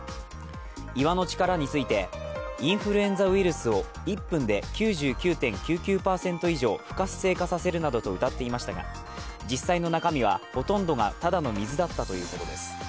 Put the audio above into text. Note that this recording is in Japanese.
岩の力について、インフルエンザウイルスを１分で９９．９９％以上、不活性化させるなどとうたっていましたが、実際の中身はほとんどがただの水だったということです。